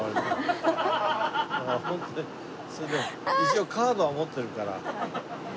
一応カードは持ってるから。